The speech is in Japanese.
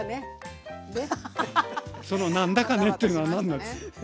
その何だかねっていうのは何なんです？